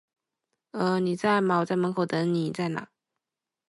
呃…你在吗，我在门口等你，你在哪里？